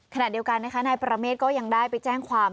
ขณะเดียวกันนะคะนายประเมฆก็ยังได้ไปแจ้งความ